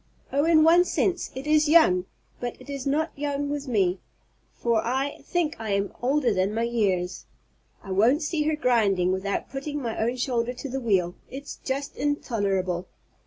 Oh, in one sense it is young! but it is not young with me, for I think I am older than my years. I won't see her grinding without putting my own shoulder to the wheel. It's just intolerable!"